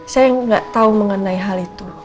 saya nggak tahu mengenai hal itu